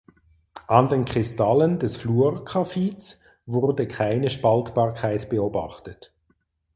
An den Kristallen des Fluorcaphits wurde keine Spaltbarkeit beobachtet.